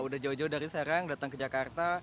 udah jauh jauh dari serang datang ke jakarta